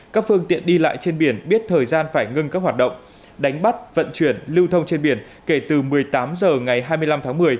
các phương tiện đi lại trên biển biết thời gian phải ngưng các hoạt động đánh bắt vận chuyển lưu thông trên biển kể từ một mươi tám h ngày hai mươi năm tháng một mươi